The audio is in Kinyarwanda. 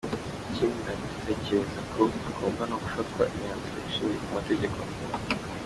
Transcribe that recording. Ikindi ndatekereza ko hagomba no gufatwa imyanzuro ishingiye ku mategeko.